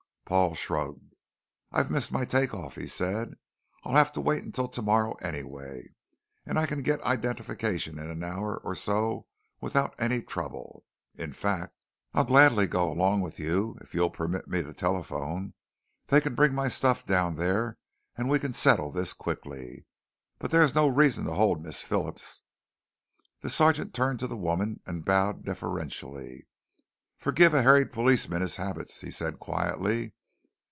Paul shrugged. "I've missed my take off," he said. "I'll have to wait until tomorrow anyway. And I can get identification in an hour or so without any trouble. In fact, I'll gladly go along with you if you'll permit me the telephone. They can bring my stuff down there and we can settle this quickly. But there is no reason to hold Miss Phillips." The sergeant turned to the woman and bowed deferentially. "Forgive a harried policeman his habits," he said quietly.